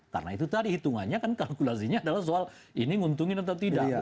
karena itu tadi hitungannya kan kalkulasinya adalah soal ini nguntungin atau tidak